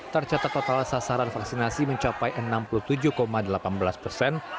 tercatat total sasaran vaksinasi mencapai enam puluh tujuh delapan belas persen